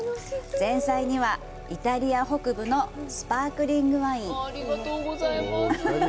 前菜には、イタリア北部のスパークリングワイン。